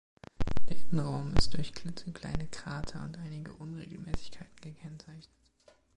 Der Innenraum ist durch klitzekleine Krater und einige Unregelmäßigkeiten gekennzeichnet.